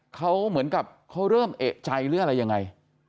เขาเหมือนกับเขาเริ่มเอกใจหรืออะไรยังไง